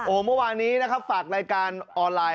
โอ้มันวานี้นะครับฝากรายการออนไลน์